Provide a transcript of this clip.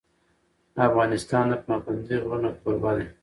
افغانستان د پابندی غرونه کوربه دی.